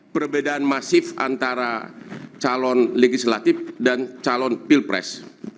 perbedaan masif antara calon legislatif dan calon pilpres